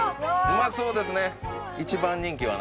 うまそうですね。